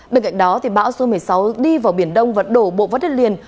bên cạnh đó bão số một mươi sáu đi vào biển đông và đổ bộ vào đất liền